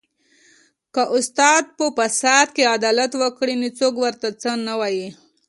که استاد په فساد کې عدالت وکړي نو څوک ورته څه نه وايي